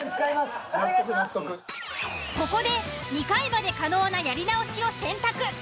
ここで２回まで可能なやり直しを選択。